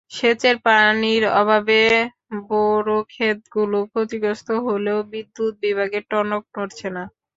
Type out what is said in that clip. সেচের পানির অভাবে বোরোখেতগুলো ক্ষতিগ্রস্ত হলেও বিদ্যুৎ বিভাগের টনক নড়ছে না।